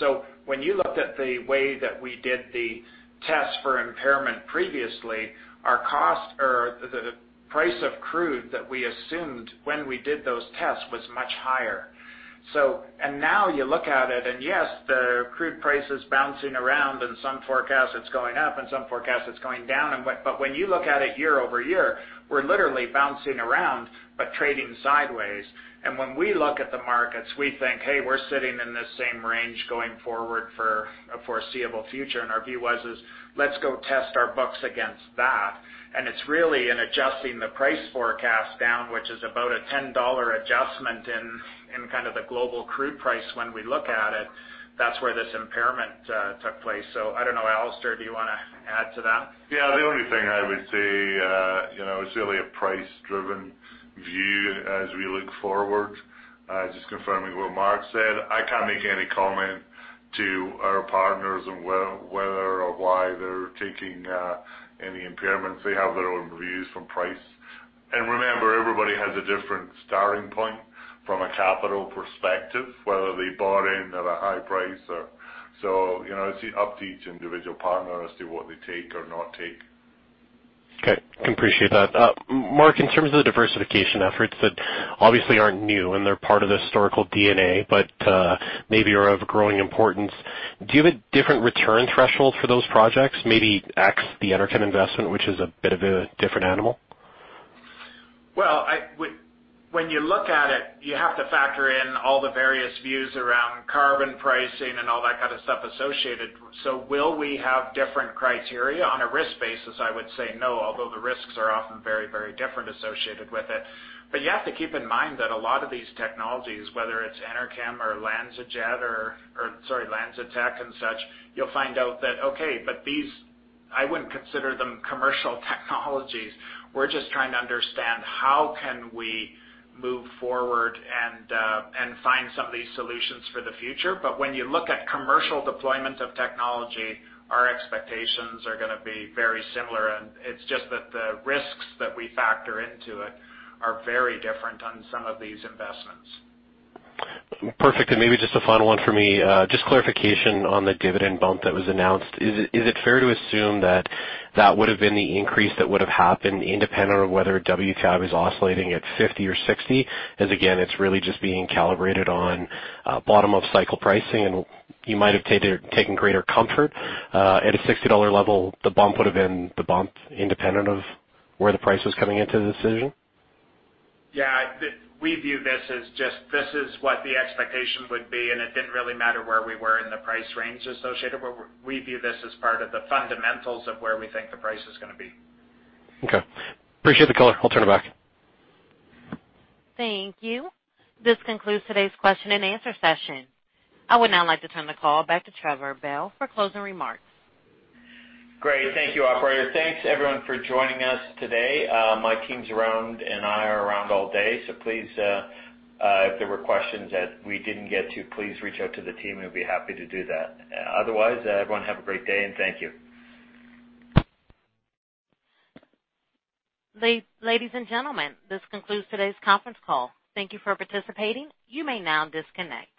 When you looked at the way that we did the test for impairment previously, our cost or the price of crude that we assumed when we did those tests was much higher. Now you look at it and yes, the crude price is bouncing around and some forecasts it's going up and some forecasts it's going down. When you look at it year-over-year, we're literally bouncing around but trading sideways. When we look at the markets, we think, "Hey, we're sitting in this same range going forward for a foreseeable future." Our view was, let's go test our books against that. It's really in adjusting the price forecast down, which is about a 10 dollar adjustment in kind of the global crude price when we look at it. That's where this impairment took place. I don't know, Alister, do you want to add to that? Yeah, the only thing I would say, it's really a price-driven view as we look forward. Just confirming what Mark said. I can't make any comment to our partners on whether or why they're taking any impairments. They have their own views from price. Remember, everybody has a different starting point from a capital perspective, whether they bought in at a high price. It's up to each individual partner as to what they take or not take. Okay, appreciate that. Mark, in terms of the diversification efforts that obviously aren't new and they're part of the historical DNA, but maybe are of growing importance. Do you have a different return threshold for those projects? Maybe X, the Enerkem investment, which is a bit of a different animal? When you look at it, you have to factor in all the various views around carbon pricing and all that kind of stuff associated. Will we have different criteria? On a risk basis, I would say no, although the risks are often very, very different associated with it. You have to keep in mind that a lot of these technologies, whether it's Enerkem or LanzaTech and such, you'll find out that, okay, but these, I wouldn't consider them commercial technologies. We're just trying to understand how can we move forward and find some of these solutions for the future. When you look at commercial deployment of technology, our expectations are going to be very similar. It's just that the risks that we factor into it are very different on some of these investments. Perfect. Maybe just a final one for me. Just clarification on the dividend bump that was announced. Is it fair to assume that that would have been the increase that would have happened independent of whether WTI was oscillating at $50 or $60? As again, it's really just being calibrated on bottom-of-cycle pricing, and you might have taken greater comfort at a $60 level, the bump would have been the bump independent of where the price was coming into the decision? Yeah. We view this as just this is what the expectation would be, and it didn't really matter where we were in the price range associated, but we view this as part of the fundamentals of where we think the price is going to be. Okay. Appreciate the color. I'll turn it back. Thank you. This concludes today's question and answer session. I would now like to turn the call back to Trevor Bell for closing remarks. Great. Thank you, operator. Thanks everyone for joining us today. My teams around and I are around all day. Please, if there were questions that we didn't get to, please reach out to the team, we'd be happy to do that. Otherwise, everyone have a great day, and thank you. Ladies and gentlemen, this concludes today's conference call. Thank you for participating. You may now disconnect.